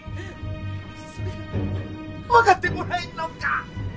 それが分かってもらえんのか。